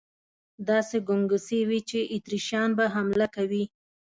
داسې ګنګوسې وې چې اتریشیان به حمله کوي.